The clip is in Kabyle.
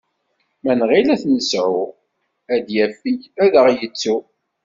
Ma nɣil ad t-nesɛu, ad yafeg ad aɣ-yettu.